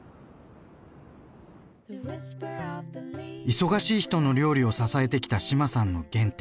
忙しい人の料理を支えてきた志麻さんの原点。